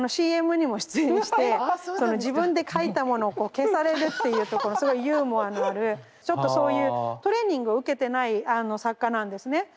ＣＭにも出演して自分で書いたものを消されるっていうところそういうユーモアのあるちょっとそういうトレーニングを受けてない作家なんですね。